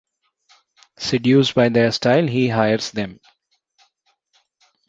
Seduced by their style, he hires them.